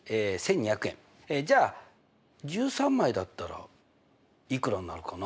じゃあ１３枚だったらいくらになるかな？